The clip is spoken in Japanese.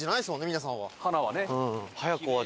皆さんは。